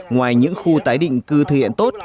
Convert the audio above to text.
ngoài những khu tái định cư thực hiện tốt